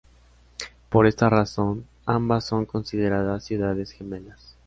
Por esta razón, ambas son consideradas ciudades gemelas.